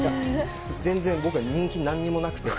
全然、僕は人気何もなくて。